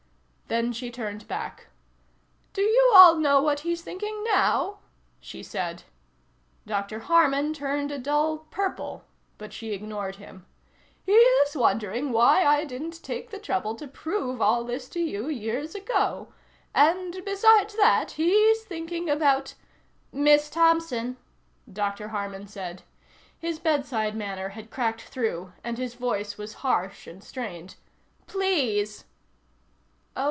Then she turned back. "Do you all know what he's thinking now?" she said. Dr. Harman turned a dull purple, but she ignored him. "He's wondering why I didn't take the trouble to prove all this to you years ago. And besides that, he's thinking about " "Miss Thompson," Dr. Harman said. His bedside manner had cracked through and his voice was harsh and strained. "Please."